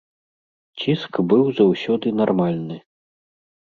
Ціск быў заўсёды нармальны.